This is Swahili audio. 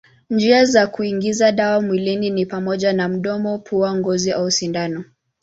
Njia za kuingiza dawa mwilini ni pamoja na mdomo, pua, ngozi au sindano.